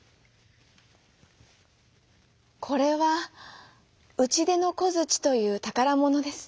「これはうちでのこづちというたからものです。